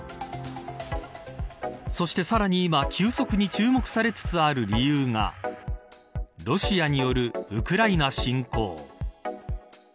そしてさらに今急速に注目されつつある理由がロシアによるウクライナ侵攻。